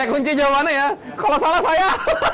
kunci jawabannya ya kalau salah saya